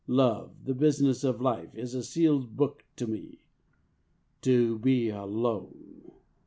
Love, the business of life, is a sealed book to me. To be alone!